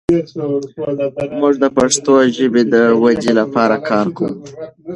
موږ د پښتو ژبې د ودې لپاره کار کوو.